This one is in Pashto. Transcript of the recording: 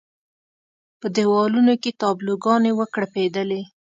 په دېوالونو کې تابلو ګانې وکړپېدلې.